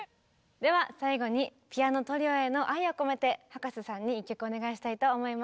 では最後にピアノトリオへの愛を込めて葉加瀬さんに１曲お願いしたいと思います。